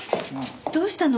どうしたの？